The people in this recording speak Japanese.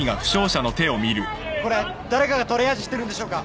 これ誰かがトリアージしてるんでしょうか？